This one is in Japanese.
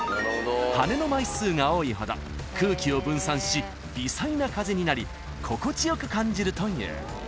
［羽根の枚数が多いほど空気を分散し微細な風になり心地良く感じるという］